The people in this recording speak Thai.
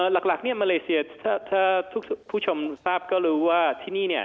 หลักเนี่ยมาเลเซียถ้าทุกผู้ชมทราบก็รู้ว่าที่นี่เนี่ย